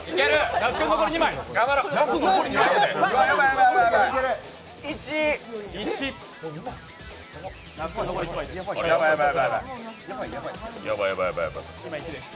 那須君、残り１枚です。